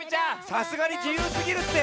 さすがに自由すぎるって。